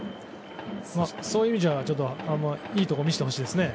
そういう意味ではいいところを見せてほしいですね。